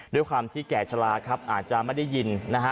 ด้วยความที่แก่ชะลาครับอาจจะไม่ได้ยินนะฮะ